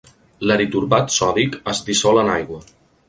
L'eritorbat sòdic es dissol en aigua.